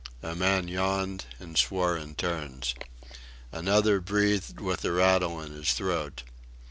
A man yawned and swore in turns. Another breathed with a rattle in his throat.